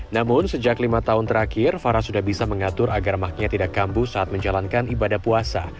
namun sejak lima tahun terakhir farah sudah bisa mengatur agar maknya tidak kambuh saat menjalankan ibadah puasa